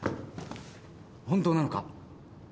本当なのか？